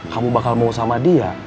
kamu bakal mau sama dia